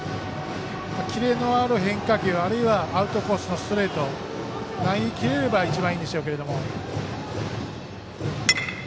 キレのある変化球、あるいはアウトコースのストレート投げ切れれば一番いいんでしょうが。